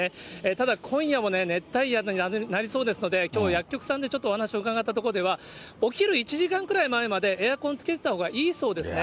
ただ、今夜も熱帯夜になりそうですので、きょうは薬局さんでちょっとお話伺ったところでは、お昼１時間くらい前まで、エアコンつけてたほうがいいそうですね。